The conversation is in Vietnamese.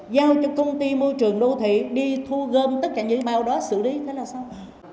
giao cho công ty môi trường đô thị đi thu gom tất cả những bào đó xử lý thế là xong